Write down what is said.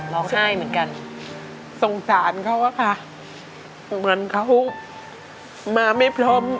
ร้องไห้เหมือนกันสงสารเขาอะค่ะเหมือนเขามาไม่พร้อม